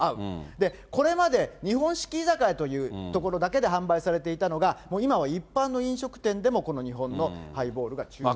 で、これまで日本式居酒屋という所だけで販売されていたのが、もう今は一般の飲食店でも、この日本のハイボールが注文できる。